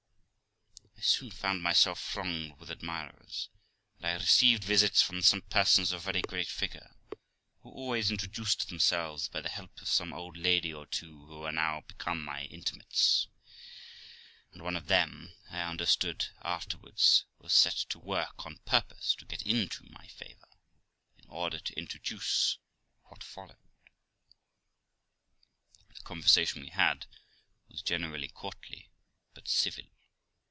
I soon found myself thronged with admirers, and I received visits from some persons of very great figure, who always introduced themselves by the help of an old lady or two who were now become my intimates ; and one of them, I understood afterwards, was set to work on purpose to get into my favour, in order to introduce what followed. The conversation we had was generally courtly, but civil.